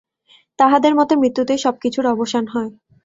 তাঁহাদের মতে মৃত্যুতেই সবকিছুর অবসান হয়।